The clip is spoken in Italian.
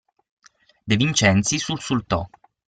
De Vincenzi sussultò.